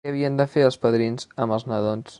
Què havien de fer els padrins amb els nadons?